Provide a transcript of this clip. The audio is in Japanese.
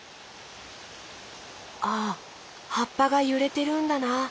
ああはっぱがゆれてるんだな。